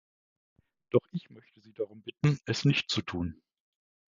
Doch ich möchte Sie darum bitten, es nicht zu tun.